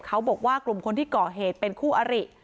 เขาบอกว่ากลุ่มคนที่ก่อเหตุเป็นคู่อริ